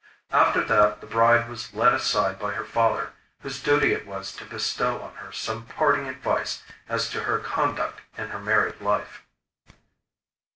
After that the bride was led aside by her father, whose duty it was to bestow on her some parting advice as to her conduct in her married life.